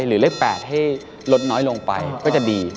หรือเลข๘ให้ลดน้อยลงไปก็จะดี